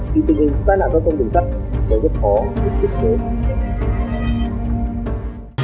thì tình hình tai nạn giao thông đường sắt sẽ rất khó để thiết kế